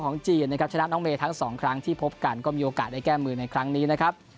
จีนนะครับชนะน้องเมย์ทั้งสองครั้งที่พบกันก็มีโอกาสได้แก้มือในครั้งนี้นะครับ